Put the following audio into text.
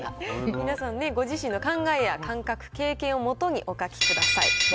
皆さんご自身の考えや感覚、経験をもとにお書きください。